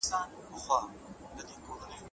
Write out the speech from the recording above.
که پنسل وي نو رسامي نه پاتیږي.